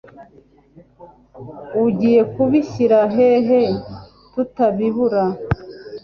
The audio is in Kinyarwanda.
Ugiye kubishyira hehe tutabibura?